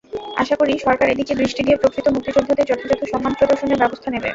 আশা করি, সরকার এদিকে দৃষ্টি দিয়ে প্রকৃত মুক্তিযোদ্ধাদের যথাযথ সম্মান প্রদর্শনের ব্যবস্থা নেবে।